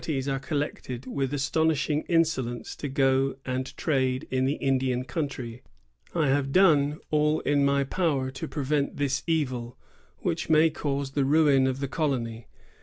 ] THE COUREURS DE BOIS 111 are collected with astonishing insolence to go and trade in the Indian country. I have done all in my power to prevent this evil, which may cause the ruin of the colony.